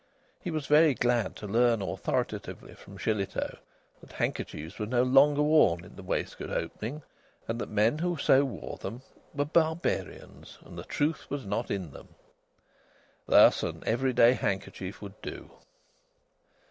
(He was very glad to learn authoritatively from Shillitoe that handkerchiefs were no longer worn in the waistcoat opening, and that men who so wore them were barbarians and the truth was not in them. Thus, an everyday handkerchief would do.)